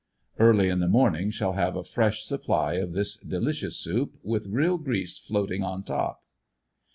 Early in the morning shall have a fresh sup ply of this delicious soup, with real grease floating on top."